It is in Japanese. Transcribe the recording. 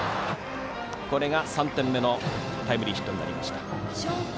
これが３点目のタイムリーヒットになりました。